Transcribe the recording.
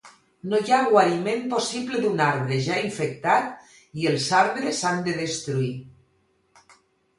No hi ha guariment possible d’un arbre ja infectat i els arbres s’han de destruir.